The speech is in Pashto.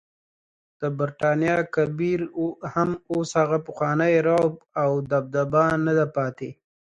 د برټانیا کبیر هم اوس هغه پخوانی رعب او دبدبه نده پاتې.